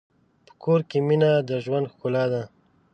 په کور کې مینه د ژوند ښکلا ده.